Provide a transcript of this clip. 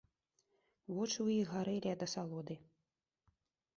Вочы ў іх гарэлі ад асалоды.